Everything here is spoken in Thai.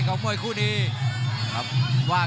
กรรมการเตือนทั้งคู่ครับ๖๖กิโลกรัม